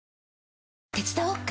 手伝おっか？